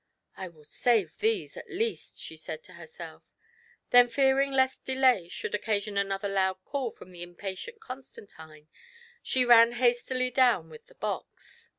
'' I will save these, at least," she said to herself; then fearing lest delay should occasion another loud call from the impatient Constantine, she ran hastily down with the box.